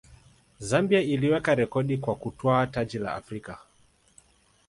zambia iliweka rekodi kwa kutwaa taji la afrika